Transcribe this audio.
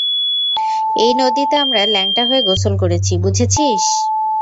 এই নদীতে আমরা ল্যাংটা হয়ে গোসল করেছি, বুঝেছিস?